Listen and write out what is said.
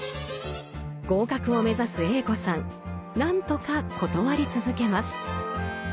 合格を目指すＡ子さん何とか断り続けます。